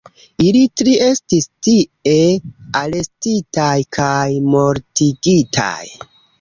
Ili tri estis tie arestitaj kaj mortigitaj.